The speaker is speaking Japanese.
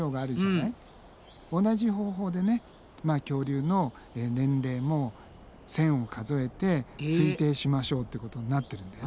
同じ方法でね恐竜の年齢も線を数えて推定しましょうってことになってるんだよね。